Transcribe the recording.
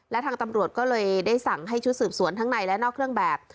และทางตำรวจก็เลยได้สั่งให้ชุดสืบสวนทั้งในและนอกเครื่องแบบ